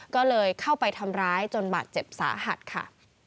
ก็เลยเข้าไปทำร้ายจนบาดเจ็บสาหัสค่ะ